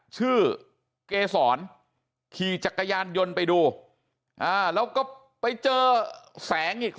เกษรขี่จักรยานยนต์ไปดูแล้วก็ไปเจอแสงอีก